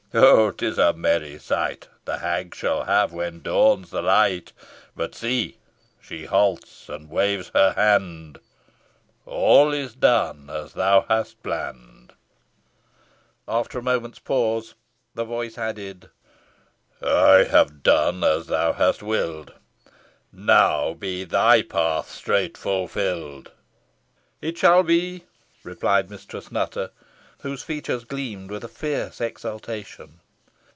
Ho! ho! 'tis a merry sight The hag shall have when dawns the light. But see! she halts and waves her hand. All is done as thou hast plann'd." After a moment's pause the voice added, "I have done as thou hast will'd Now be thy path straight fulfill'd." "It shall be," replied Mistress Nutter, whose features gleamed with fierce exultation.